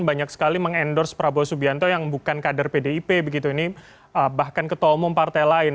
banyak sekali mengendorse prabowo subianto yang bukan kader pdip begitu ini bahkan ketua umum partai lain